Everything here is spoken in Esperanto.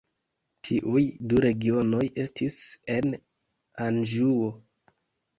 Tiuj du regionoj estis en Anĵuo.